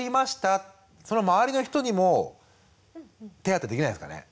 その周りの人にも手当できないんですかね？